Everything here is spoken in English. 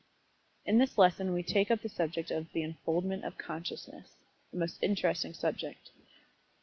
In this lesson we take up the subject of "The Unfoldment of Consciousness" a most interesting subject.